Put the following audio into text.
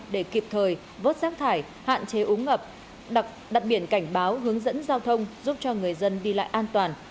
để kịp thời vớt rác thải hạn chế úng ngập đặt biển cảnh báo hướng dẫn giao thông giúp cho người dân đi lại an toàn